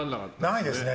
ないですね。